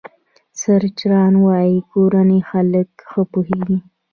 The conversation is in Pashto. سرچران وايي کورني خلک ښه پوهېږي.